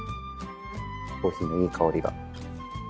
コーヒーのいい香りが。